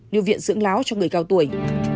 như viện dưỡng láo cho người cao tuổi